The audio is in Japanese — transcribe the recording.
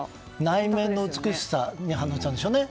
内面の美しさに反応したんでしょうね。